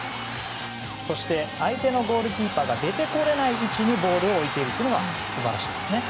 そして、相手のゴールキーパーが出てこれない位置にボールを置いていくのが素晴らしいですね。